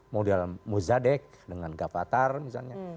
model muzadek dengan gavatar misalnya